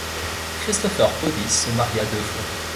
Christopher Paudiss se maria deux fois.